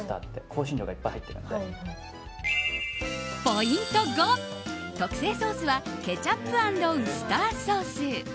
ポイント５、特製ソースはケチャップ＆ウスターソース。